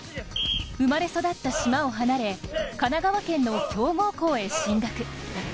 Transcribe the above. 生まれ育った島を離れ神奈川県の強豪校へ進学。